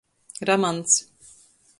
Ramans.